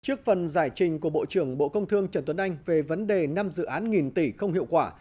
trước phần giải trình của bộ trưởng bộ công thương trần tuấn anh về vấn đề năm dự án nghìn tỷ không hiệu quả